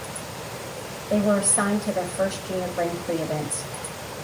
They were assigned to their first Junior Grand Prix events.